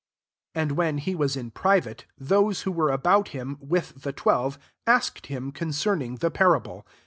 10 And when he was in pri vate, those who were about him^ with the twelve, asked him concerning the parable.